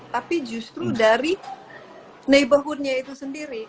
tapi justru dari neighborhoodnya itu sendiri